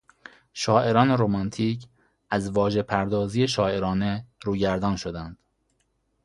شاعران رومانتیک از واژپردازی شاعرانه روگردان شدند.